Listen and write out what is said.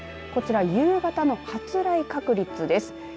こちら夕方の発雷確率です。